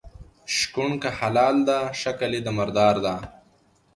شکوڼ که حلال ده شکل یي د مردار ده.